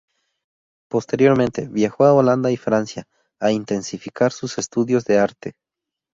Posteriormente, viajó Holanda y Francia a intensificar sus estudios de arte.